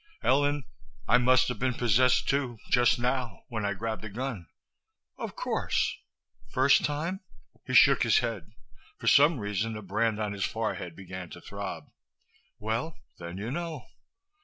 "Ellen, I must have been possessed too, just now. When I grabbed the gun." "Of course. First time?" He shook his head. For some reason the brand on his forehead began to throb. "Well, then you know.